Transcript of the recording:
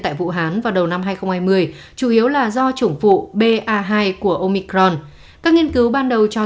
tại vũ hán vào đầu năm hai nghìn hai mươi chủ yếu là do chủng phụ ba hai của omicron các nghiên cứu ban đầu cho